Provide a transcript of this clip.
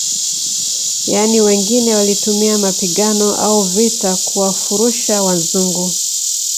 Yani wengine walitumia mapigano au vita kuwafurusha wazungu